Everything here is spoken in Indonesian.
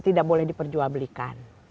tidak boleh diperjuabelikan